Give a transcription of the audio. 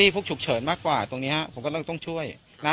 พวกฉุกเฉินมากกว่าตรงเนี้ยฮะผมก็ต้องช่วยนะฮะ